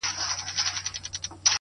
وخت د ارمانونو رښتینولي ازموي,